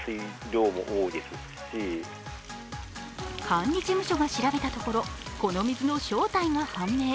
管理事務所が調べたところ、この水の正体が判明。